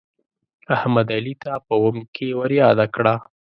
احمد، علي ته په اوم کې ورياده کړه.